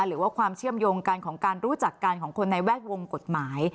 หรือว่าความเชื่อมโยงกันของการรู้จักกันของคนในแวดวงกฎหมาย